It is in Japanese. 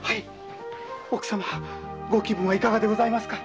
奥様ご気分はいかがでございますか？